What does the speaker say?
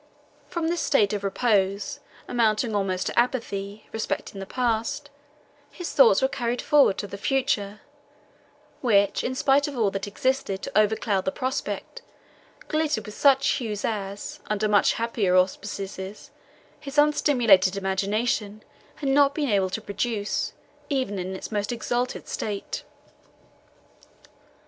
From this state of repose, amounting almost to apathy respecting the past, his thoughts were carried forward to the future, which, in spite of all that existed to overcloud the prospect, glittered with such hues as, under much happier auspices, his unstimulated imagination had not been able to produce, even in its most exalted state.